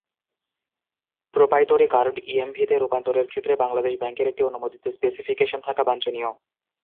Proprietary card ইএমভিতে রূপান্তরের ক্ষেত্রে বাংলাদেশ ব্যাংকের একটি অনুমোদিত স্পেসিফিকেশন থাকা বাঞ্ছনীয়।